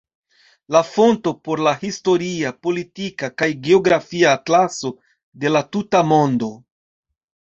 La fonto por la "Historia, Politika kaj Geografia Atlaso de la tuta mondo.